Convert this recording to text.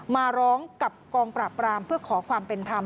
มาร้องกับกองปราบรามเพื่อขอความเป็นธรรม